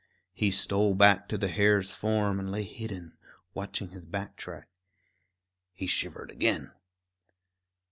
He stole back to the hare's form and lay hidden, watching his back track. He shivered again.